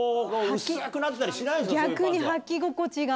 逆に。